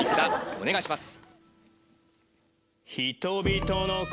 お願いします。